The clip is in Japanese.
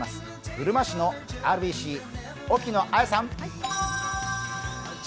うるま市のＲＢＣの沖野綾亜さん！